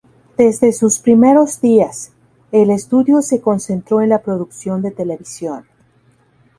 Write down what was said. Desde sus primeros días, el estudio se concentró en la producción de televisión.